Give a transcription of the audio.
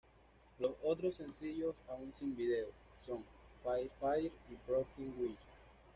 Los otros sencillos, aún sin videos, son: "Fire Fire" y "Broken Wings".